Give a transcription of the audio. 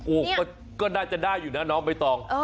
โอ้โฮก็ได้จะได้อยู่นะเนอะไม่ต้อง